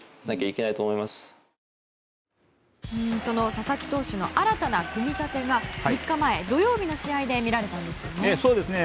佐々木投手の新たな組み立てが３日前、土曜日の試合で見られたんですよね。